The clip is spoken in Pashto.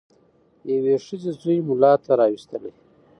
یوې ښځي زوی مُلا ته راوستلی